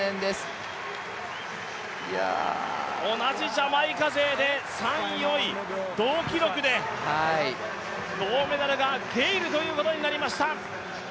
同じジャマイカ勢で３位、４位、同記録で、銅メダルがゲイルということになりました。